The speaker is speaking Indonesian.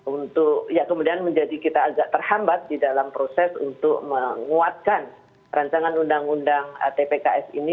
untuk ya kemudian menjadi kita agak terhambat di dalam proses untuk menguatkan rancangan undang undang tpks ini